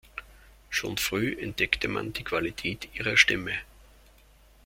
Schon früh entdeckte man die Qualität ihrer Stimme.